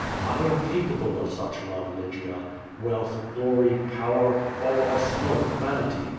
I am capable of such love, Lygia. Wealth, glory, power — all are smoke, vanity.